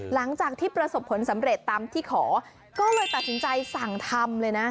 หลังจากที่ประสบผลสำเร็จตามที่ขอก็เลยตัดสินใจสั่งทำเลยนะ